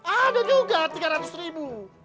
ada juga tiga ratus ribu